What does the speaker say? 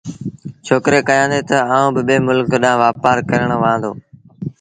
ڇوڪري ڪهيآݩدي تا آئوݩ ٻي ملڪ ڏآݩهݩ وآپآر ڪرڻ وهآݩ دو